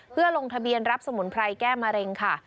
เพื่อลงทะเบียนรับสมุนไพรแก้มะเร็งค่ะ